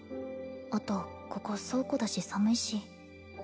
あとここ倉庫だし寒いし